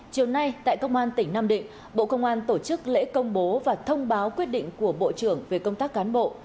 chiều nay tại công an tỉnh nam định bộ công an tổ chức lễ công bố và thông báo quyết định của bộ trưởng về công tác cán bộ